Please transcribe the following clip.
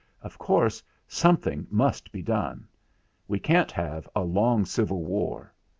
Of course something must be done. We can't have a long civil war.